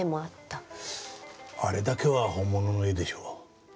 あれだけは本物の絵でしょう。